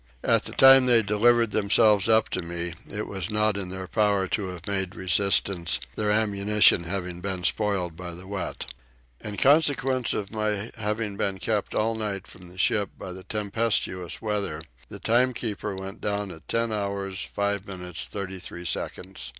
At the time they delivered themselves up to me it was not in their power to have made resistance, their ammunition having been spoiled by the wet. In consequence of my having been kept all night from the ship by the tempestuous weather the timekeeper went down at 10 hours 5 minutes 36 seconds.